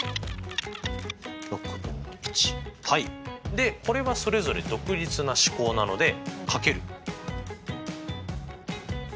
でこれはそれぞれ独立な試行なのでかける。